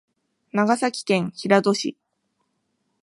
長崎県平戸市